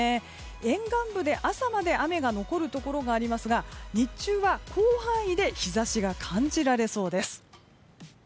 沿岸部で、朝まで雨が残るところがありますが日中は広範囲で日差しが感じられそうです。